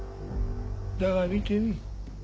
だが見てみぃ。